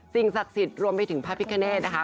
ศักดิ์สิทธิ์รวมไปถึงพระพิคเนธนะคะ